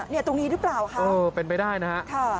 นี่ตรงนี้หรือเปล่าครับเป็นไปได้นะฮะค่ะ